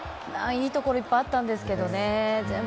いいところいっぱいあったんですけどね。